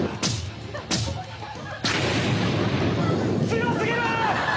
強過ぎる！